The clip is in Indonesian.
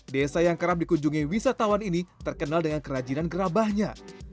desa yang kerap dikunjungi wisatawan ini terkenal dengan kerajinan gerabahnya